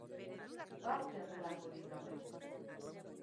Ba ote horrelakorik gaur egun?